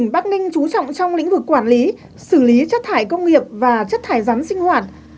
bắc ninh trú trọng trong lĩnh vực quản lý xử lý chất thải công nghiệp và chất thải rắn sinh hoạt